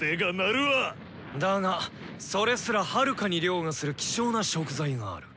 だがそれすらはるかにりょうがする希少な食材がある。